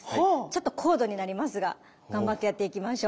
ちょっと高度になりますが頑張ってやっていきましょう。